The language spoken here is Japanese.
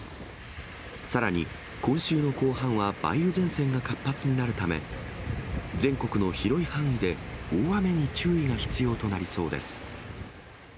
さらに、今週の後半は梅雨前線が活発になるため、全国の広い範囲で大雨に注意が必要となりそうです。